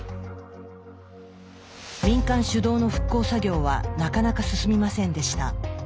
民間主導の復興作業はなかなか進みませんでした。